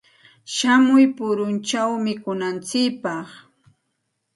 Shamuy puruchaw mikunantsikpaq.